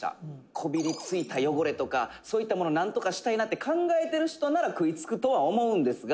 こびりついた汚れとかそういったものをなんとかしたいなって考えてる人なら食いつくとは思うんですが」